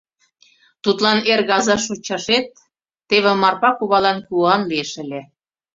Тудлан эрге аза шочашет, теве Марпа кувалан куан лиеш ыле!